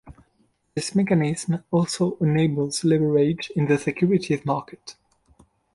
This mechanism also enables leverage in the securities market.